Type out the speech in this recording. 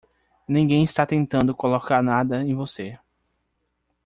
Ninguém está tentando colocar nada em você.